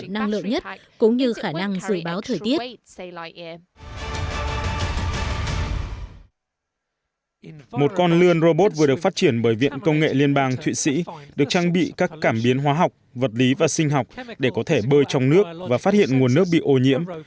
một con lươn robot vừa được phát triển bởi viện công nghệ liên bang thụy sĩ được trang bị các cảm biến hóa học vật lý và sinh học để có thể bơi trong nước và phát hiện nguồn nước bị ô nhiễm